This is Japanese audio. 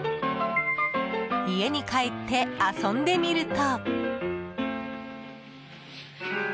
家に帰って、遊んでみると。